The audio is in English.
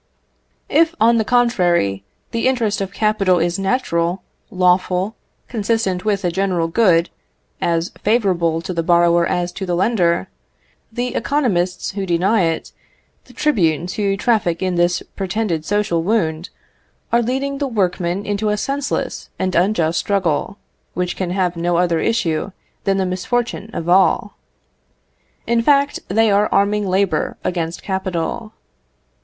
If, on the contrary, the interest of capital is natural, lawful, consistent with the general good, as favourable to the borrower as to the lender, the economists who deny it, the tribunes who traffic in this pretended social wound, are leading the workmen into a senseless and unjust struggle, which can have no other issue than the misfortune of all. In fact, they are arming labour against capital.